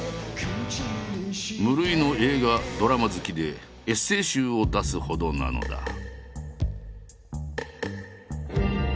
無類の映画ドラマ好きでエッセー集を出すほどなのだ。